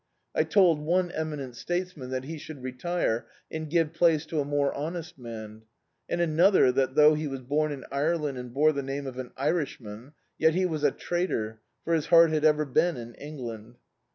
I told one eminent statesman that he should retire and give place to a more hon est man, and another that though he was bom in Ireland and bore the name of an Irishman, yet he was a traitor, for bis heart had ever been in Eng land.